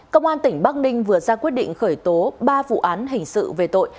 công an tỉnh bắc ninh vừa ra quyết định khởi tố ba vụ án hình sự về tội